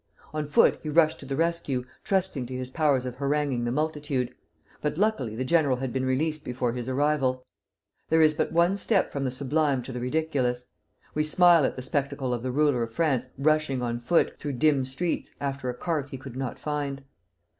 On foot he rushed to the rescue, trusting to his powers of haranguing the multitude; but luckily the general had been released before his arrival. There is but one step from the sublime to the ridiculous. We smile at the spectacle of the ruler of France rushing on foot, through dim streets, after a cart he could not find.